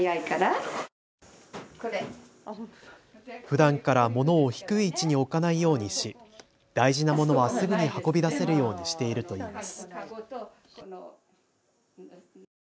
あと汚れてもあらいも早いから。ふだんからものを低い位置に置かないようにし大事なものはすぐに運び出せるようにしているといいます。